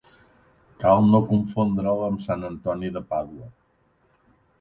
Cal no confondre'l amb sant Antoni de Pàdua.